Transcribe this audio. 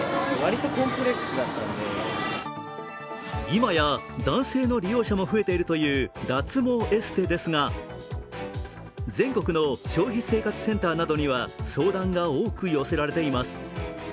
今や男性の利用者も増えているという脱毛エステですが全国の消費生活センターなどには相談が多く寄せられています。